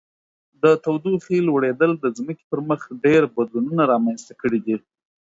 د تودوخې لوړیدل د ځمکې پر مخ ډیر بدلونونه رامنځته کړي دي.